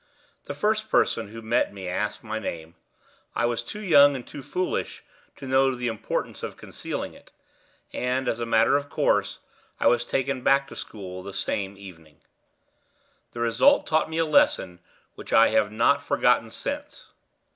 The first person who met me asked my name. I was too young and too foolish to know the importance of concealing it, and, as a matter of course, I was taken back to school the same evening. The result taught me a lesson which I have not forgotten since.